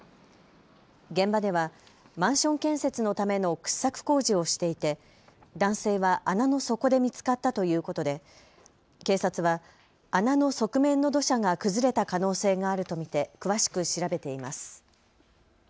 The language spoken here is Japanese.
現場ではマンション建設のための掘削工事をしていて男性は穴の底で見つかったということで警察は穴の側面の土砂が崩れた可能性があると見て詳しく調べています。